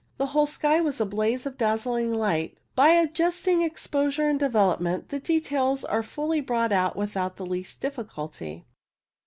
The whole sky was a blaze of dazzling light, but by adjusting exposure and development the details are fully brought out without the least difficulty.